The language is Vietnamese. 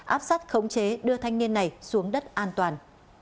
áp sát khống chế đưa thanh niên này xuống đất an toàn